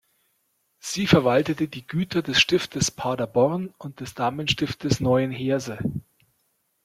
Sie verwaltete die Güter des Stiftes Paderborn und des Damenstiftes Neuenheerse.